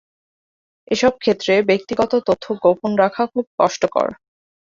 এসব ক্ষেত্রে ব্যক্তিগত তথ্য গোপন রাখা খুব কষ্টকর।